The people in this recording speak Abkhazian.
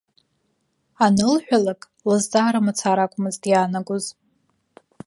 Анылҳәалак, лызҵаара мацара акәмызт иаанагоз.